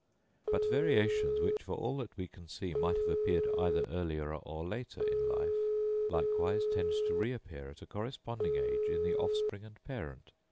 But variations which, for all that we can see might have appeared either earlier or later in life, likewise tend to reappear at a corresponding age in the offspring and parent.